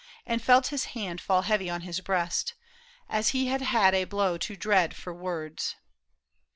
And felt his hand fall heavy on his breast As he had had a blow too dread for words.